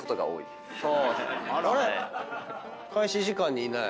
あれっ⁉開始時間にいない。